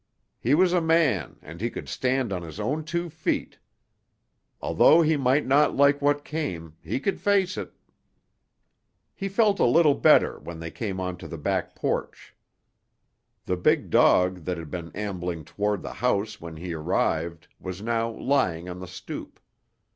He was a man and he could stand on his own two feet. Although he might not like what came, he could face it. He felt a little better when they came onto the back porch. The big dog that had been ambling toward the house when he arrived was now lying on the stoop.